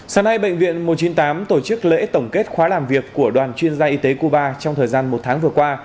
sáng nay bệnh viện một trăm chín mươi tám tổ chức lễ tổng kết khóa làm việc của đoàn chuyên gia y tế cuba trong thời gian một tháng vừa qua